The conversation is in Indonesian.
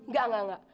gak gak gak